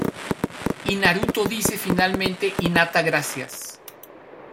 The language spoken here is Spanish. Y Naruto dice finalmente: "Hinata...gracias".